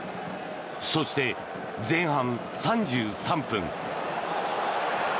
そして、前半３３分。